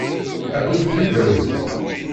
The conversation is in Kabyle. Ad kent-ten-id-awint?